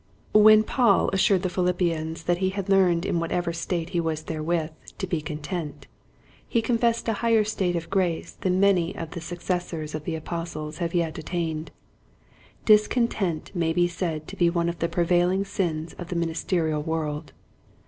When Paul assured the Philippians that he had learned in whatever state he was therewith to be content, he confessed a higher state of grace than many of the successors of the Apostles have yet at tained. Discontent may be said to be one of the prevailing sins of the minis terial world.